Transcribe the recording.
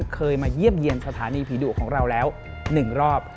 เคยมาเยี่ยมเยี่ยมสถานีผีดุของเราแล้ว๑รอบ